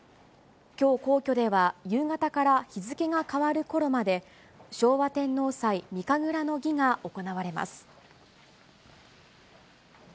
きょう皇居では、夕方から日付が変わるころまで、昭和天皇祭御神楽の儀が行われます。